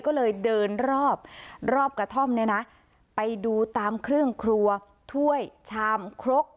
ก็เลยเดินรอบรอบกระท่อมเนี่ยนะไปดูตามเครื่องครัวถ้วยชามครก